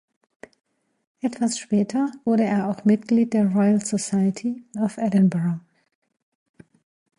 Etwas später wurde er auch Mitglied der Royal Society of Edinburgh.